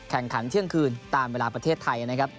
แข่งขันเที่ยงคืนตามเวลาประเทศไทยนะครับ